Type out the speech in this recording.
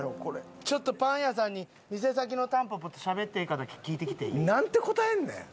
ちょっとパン屋さんに店先のタンポポとしゃべってええかだけ聞いてきていい？なんて答えんねん！